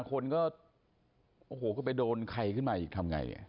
คนก็โอ้โหก็ไปโดนใครขึ้นมาอีกทำไง